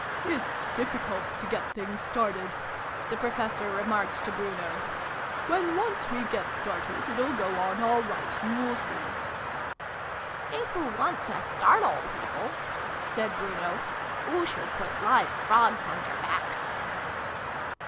"It's difficult to get things started," the Pro fessor remarked to Bruno. " When once we get started, it'll go on all right, you'll see." " If oo want to startle people," said Bruno, "oo should put live frogs on their backs."